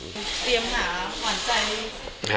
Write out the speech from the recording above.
เตรียมหนาขวัญใจ